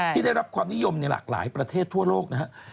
ได้รับความนิยมในหลากหลายประเทศทั่วโลกนะครับ